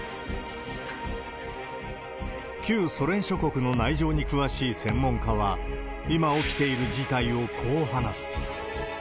旧ソ連諸国の内情に詳しい専門家は、今起きている事態をこう話す。